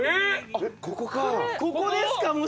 ここか。